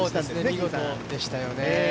見事でしたよね。